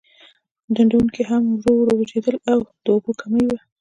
ډنډونکي هم ورو ورو وچېدل د اوبو کمی و.